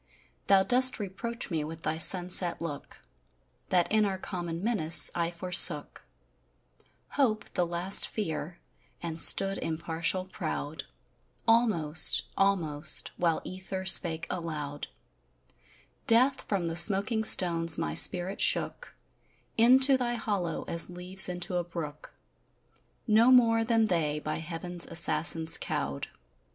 Thou dost reproach me with thy sunset look, That in our common menace, I forsook Hope, the last fear, and stood impartial proud: Almost, almost, while ether spake aloud, Death from the smoking stones my spirit shook Into thy hollow as leaves into a brook, No more than they by heaven's assassins cowed.